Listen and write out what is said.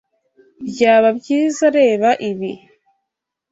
Byaba byizareba ibi.